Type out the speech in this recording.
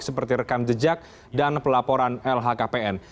seperti rekam jejak dan pelaporan lhkpn